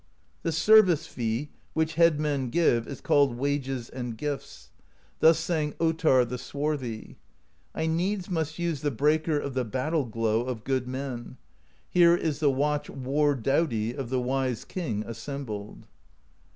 The service fee which headmen give is called wages and gifts; thus sang Ottarr the Swarthy: I needs must use the Breaker Of the Battle Glow of good men; Here is the watch war doughty Of the Wise King assembled.'